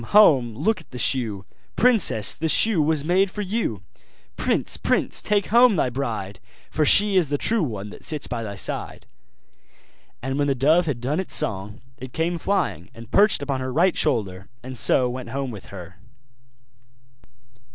home! look at the shoe! Princess! the shoe was made for you! Prince! prince! take home thy bride, For she is the true one that sits by thy side!' And when the dove had done its song, it came flying, and perched upon her right shoulder, and so went home with her.